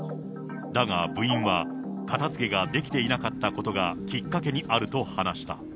だが部員は、片づけができていなかったことがきっかけにあると話した。